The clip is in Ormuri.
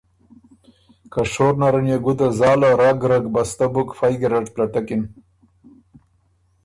که شور نرن يې ګُده زاله رګ رګبسته بُک فئ ګیرډ پلټکِن۔